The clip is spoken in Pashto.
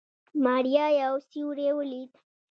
ماريا يو سيوری وليد.